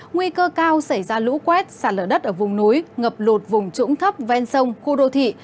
nguy cơ cao xảy ra lũ quét sạt lở đất ở vùng núi ngập lụt vùng trũng thấp ven sông khu đô thị